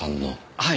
はい。